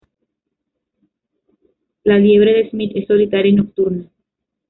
La liebre de Smith es solitaria y nocturna.